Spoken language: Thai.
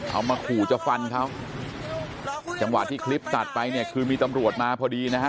เอามาขู่จะฟันเขาจังหวะที่คลิปตัดไปเนี่ยคือมีตำรวจมาพอดีนะฮะ